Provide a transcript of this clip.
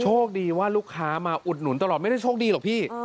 โชคดีว่าลูกค้ามาอุดหนุนตลอดไม่ได้โชคดีหรอกพี่